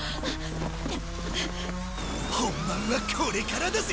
本番はこれからだぜ！